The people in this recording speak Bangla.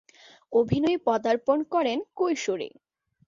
অভিনয়ে পদার্পণ করেন কৈশোরে।